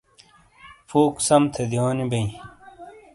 فوک سم تھے دیونی بئے